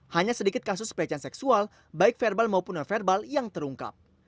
hanya sedikit kasus pelecehan seksual baik verbal maupun non verbal yang terungkap